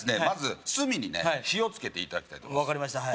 まず炭にね火をつけていただきたいと思います